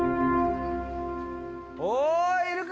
おいいるか？